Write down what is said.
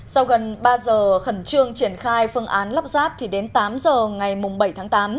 sau gần ba giờ khẩn trương triển khai phương án lắp ráp thì đến tám giờ ngày bảy tháng tám